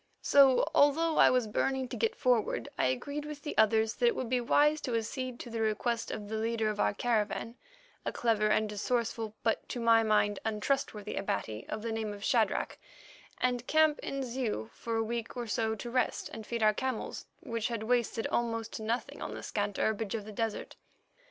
So, although I was burning to get forward, I agreed with the others that it would be wise to accede to the request of the leader of our caravan, a clever and resourceful, but to my mind untrustworthy Abati of the name of Shadrach, and camp in Zeu for a week or so to rest and feed our camels, which had wasted almost to nothing on the scant herbage of the desert.